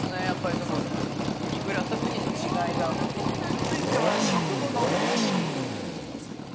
続いては食後の癒やしに。